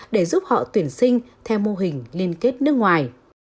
để giúp họ tuyển sinh theo mô hình liên kết nước ngoài